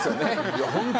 いやホントに。